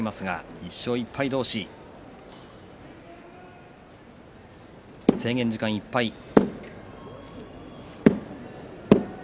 １勝１敗同士制限時間いっぱいです。